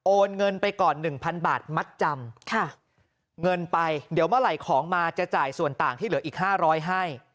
โอนเงินไปก่อน๑๐๐๐บาทมัดจำค่ะเงินไปเดี๋ยวเมื่อไหร่ของมาจะจ่ายส่วนต่างที่เหลืออีก๕๐๐ให้